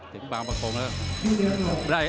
ถึงบางประกงแล้วครับ